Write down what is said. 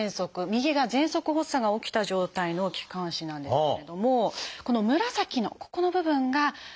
右がぜんそく発作が起きた状態の気管支なんですけれどもこの紫のここの部分が空気の通り道。